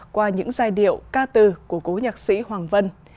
qua những giai điệu ca từ của cố nhạc sĩ hoàng vân